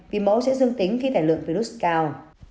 vì mẫu sẽ dương tính khi tài lượng virus cao